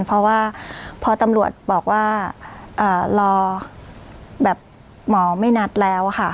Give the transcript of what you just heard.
เพราะว่าพอตำรวจบอกว่ารอแบบหมอไม่นัดแล้วค่ะ